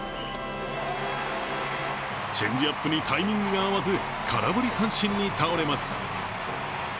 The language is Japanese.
チェンジアップにタイミングが合わず、空振り三振に倒れます。